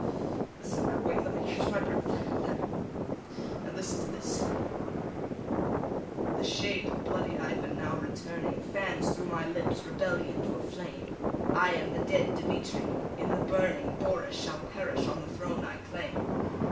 Listen now, wait, let me catch my breath, there; now listen to this: "The shade of bloody Ivan now returning Fans through my lips rebellion to a flame, I am the dead Dimitri! In the burning Boris shall perish on the throne I claim.